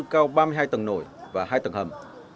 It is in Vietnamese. cao ba mươi hai tầng nổi và hai tầng hầm